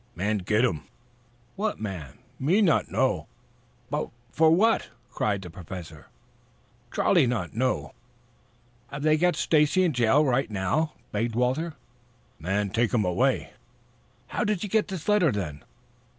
"Man git um." "What man?" "Me not know." "But what for?" cried the Professor. "Charlie not know." "Have they got Stacy in jail now?" begged Walter. "Man take um away." "How did you get this letter, then?"